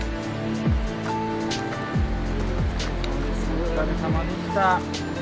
お疲れさまでした！